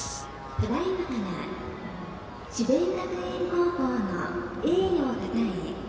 ただいまから智弁学園高校の栄誉をたたえ